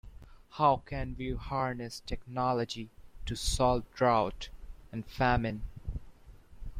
How can we harness technology to solve drought and famine?